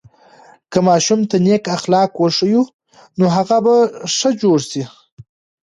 که ماشوم ته نیک اخلاق وښیو، نو هغه به ښه جوړ سي.